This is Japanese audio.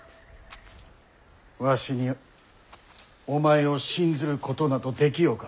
わしにお前を信ずることなどできようか？